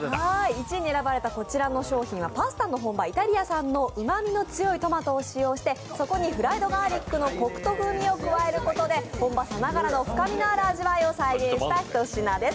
１位に選ばれたこちらの商品は、パスタの本場、イタリア産のうまみの強いトマトを使用してそこにフライドガーリックのこくと風味を加えることで本場さながらの深みのある味わいを再現したひと品です。